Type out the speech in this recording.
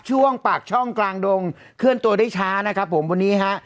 ช่วงปากช่องกลางดงเคลื่อนตัวได้ช้านะครับผมวันนี้ฮะ